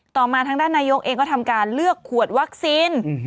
มาทางด้านนายกเองก็ทำการเลือกขวดวัคซีน